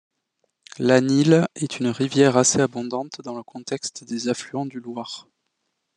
L'Anille est une rivière assez abondante dans le contexte des affluents du Loir.